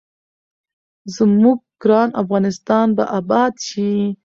زموږ ګران افغانستان به اباد شي.